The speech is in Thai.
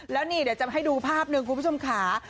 แล้วนี่เดี๋ยวจะให้ดูภาพหนึ่งคุณผู้ชมค่ะ